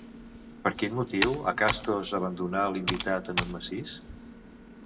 Per quin motiu Acastos abandonà l'invitat en un massís?